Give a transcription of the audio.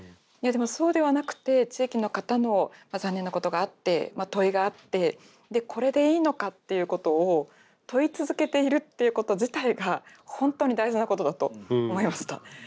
いやでもそうではなくて地域の方の残念なことがあって問いがあってこれでいいのかっていうことを問い続けているっていうこと自体が本当に大事なことだと思いました。